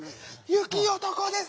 ゆきおとこです！